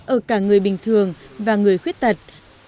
ở cả người bình thường và người khuyết tật